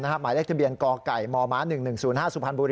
หมายเลขทะเบียนกไก่มม๑๑๐๕๐พบ